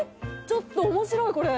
ちょっと面白いこれ！